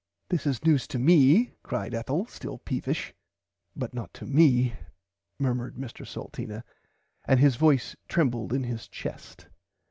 This is news to me cried Ethel still peevish. But not to me murmered Mr Salteena and his voice trembled in his chest.